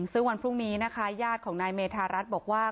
ซึ่งวันพรุ่งนี้นะคะญาติของนายเมธารัฐบอกว่า